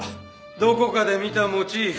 どこかで見たモチーフ